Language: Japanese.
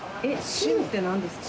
チムって何ですか？